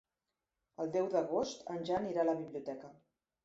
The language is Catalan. El deu d'agost en Jan irà a la biblioteca.